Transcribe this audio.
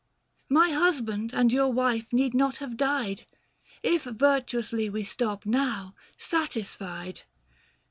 My husband and your wife need not have died, If virtuously we stop now, satisfied.